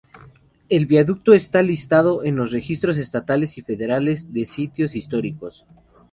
El viaducto está listado en los registros estatales y federales de sitios históricos.